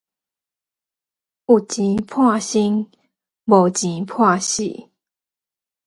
有錢判生，無錢判死